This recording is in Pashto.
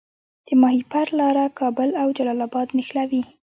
د ماهیپر لاره کابل او جلال اباد نښلوي